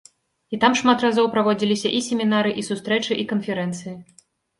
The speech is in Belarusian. І там шмат разоў праводзіліся і семінары, і сустрэчы, і канферэнцыі.